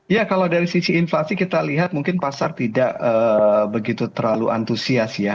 ya kalau dari sisi inflasi kita lihat mungkin pasar tidak begitu terlalu antusias ya